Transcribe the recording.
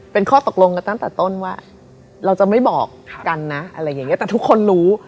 เป็นข้อตกลงกันตั้งแต่ต้นว่าเราจะไม่บอกกันนะอะไรอย่างเงี้แต่ทุกคนรู้